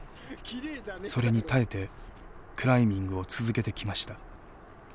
それに耐えてクライミングを続けてきました。